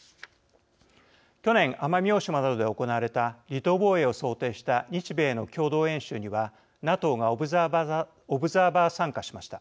去年、奄美大島などで行われた離島防衛を想定した日米の共同演習にはＮＡＴＯがオブザーバー参加しました。